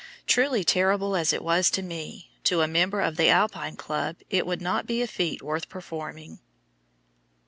Truly terrible as it was to me, to a member of the Alpine Club it would not be a feat worth performing.